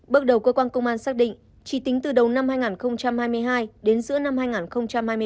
bước đầu cơ quan công an xác định chỉ tính từ đầu năm hai nghìn hai mươi hai đến giữa năm hai nghìn hai mươi ba